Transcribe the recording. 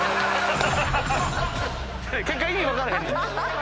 結果意味分からへんねん。